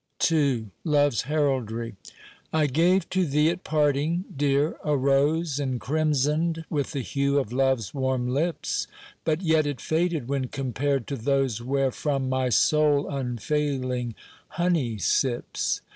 II LOVE'S HERALDRY I GAVE to thee at parting, dear, a rose, Encrimsoned with the hue of Love's warm lips, But yet it faded when compared to those Wherefrom my soul unfailing honey sips.